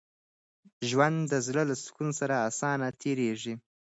ژوند د زړه له سکون سره اسانه تېرېږي.